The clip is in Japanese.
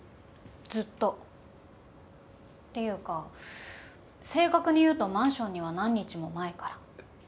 ずっと。っていうか正確に言うとマンションには何日も前から。